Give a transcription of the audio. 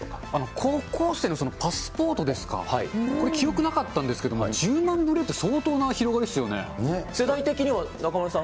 高校生のパスポートですが、これ、記憶なかったんですけど、１０万部売れるって、相当なあれ世代的には中丸さん？